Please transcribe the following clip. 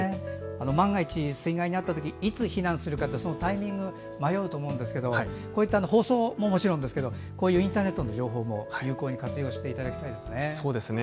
万が一、水害に遭ったときにいつ避難するかタイミングに迷うと思いますがこういった放送ももちろんですがインターネットの情報も有効に活用していただきたいですね。